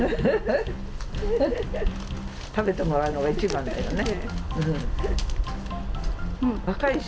食べてもらうのが一番だよね。